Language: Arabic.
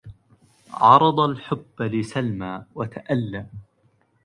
عرض الحب لسلمى وتأَلى